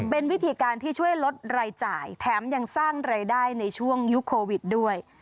เป็นวิธีการที่ช่วยลดรายจ่ายแถมยังสร้างรายได้ในช่วงยุคโควิดด้วย